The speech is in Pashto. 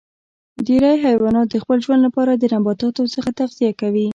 ډیری حیوانات د خپل ژوند لپاره د نباتاتو څخه تغذیه کوي